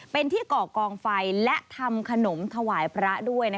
เป็นที่ก่อกองไฟและทำขนมถวายพระด้วย